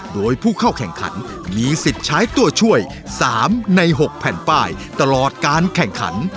โดยผู้เข้าแข่งขันมีสิทธิ์ใช้ตัวช่วย๓ใน๖แผ่นป้ายตลอดการแข่งขัน